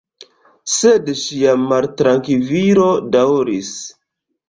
Sed ŝia maltrankvilo daŭris.